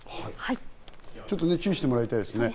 ちょっと注意してもらいたいですね。